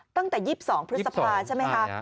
ตั้งแต่๒๒พฤษภาใช่ไหมคะ